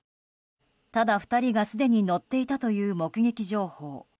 ただ、２人がすでに乗っていたという目撃情報。